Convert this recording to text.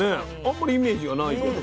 あんまりイメージがない。